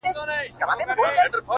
هر څوک يې د خپلې پوهې له مخې تفسيروي,